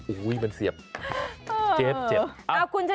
อุ้ยมันเสียบเจ็บเจ็บ